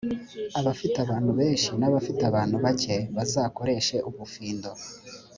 afite abantu benshi n’afite abantu bake, bazakoreshe ubufindo.